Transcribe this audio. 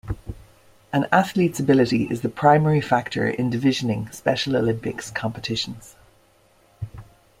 An athlete's ability is the primary factor in divisioning Special Olympics competitions.